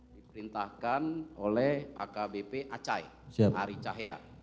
diperintahkan oleh akbp acai hari cahaya